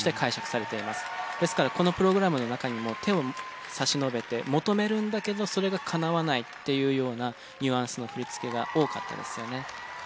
ですからこのプログラムの中にも手を差し伸べて求めるんだけどそれがかなわないっていうようなニュアンスの振り付けが多かったですよね。